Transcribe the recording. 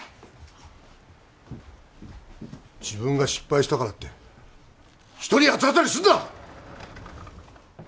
自分が失敗したからって人に八つ当たりすんな！